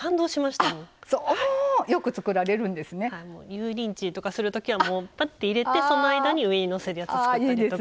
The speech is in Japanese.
油淋鶏とかするときはもうパッと入れてその間に上にのせるやつ作ったりとか。